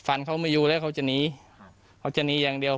เขาไม่อยู่แล้วเขาจะหนีครับเขาจะหนีอย่างเดียว